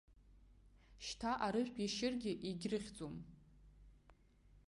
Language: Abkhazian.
Шьҭа арыжәтә иашьыргьы егьрыхьӡом.